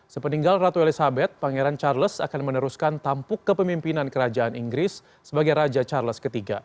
sepeninggal ratu elizabeth pangeran charles akan meneruskan tampuk kepemimpinan kerajaan inggris sebagai raja charles iii